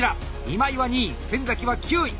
今井は２位先は９位。